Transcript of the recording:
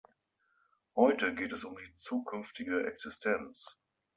Heute geht es um diese zukünftige Existenz.